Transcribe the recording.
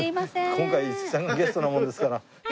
今回五木さんがゲストなもんですから。